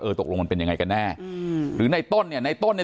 ตกลงมันเป็นยังไงกันแน่อืมหรือในต้นเนี่ยในต้นเนี่ย